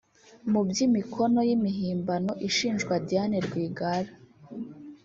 Mu by’imikono y’imihimbano ishinjwa Diane Rwigara